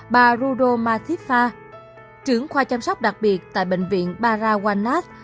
bà rudol mathifa trưởng khoa chăm sóc đặc biệt tại bệnh viện parawanath